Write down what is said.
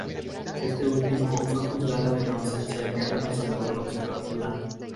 Este último fue juzgado en ausencia ya que no se logró su captura.